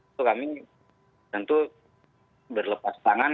itu kami tentu berlepas tangan